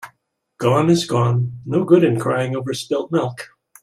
Gone is gone. No good in crying over spilt milk.